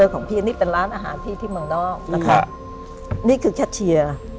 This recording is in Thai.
ของพี่อันนี้เป็นร้านอาหารพี่ที่เมืองนอกอืมครับนี่คือ